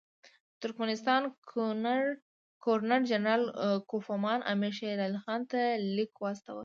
د ترکمنستان ګورنر جنرال کوفمان امیر شېر علي خان ته لیک واستاوه.